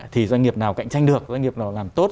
thì doanh nghiệp nào cạnh tranh được doanh nghiệp nào làm tốt